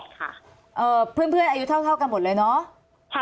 ค่ะเพื่อนอายุเท่ากันหมดเลยเนาะ